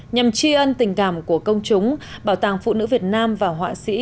nhằm tri ân tình cảm của công chúng bảo tàng phụ nữ việt nam và họa sĩ